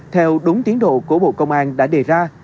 theo đúng tiến độ của bộ công an đã đề ra